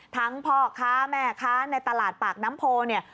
ทั้งพ่อคะแม่คะในตลาดปากน้ำโพอเนี่ย